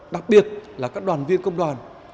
đặc biệt là các đoàn viên công đoàn